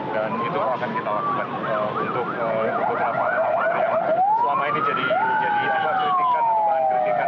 dan itu akan kita lakukan untuk beberapa hal yang selama ini jadi kritikan atau bahan kritikan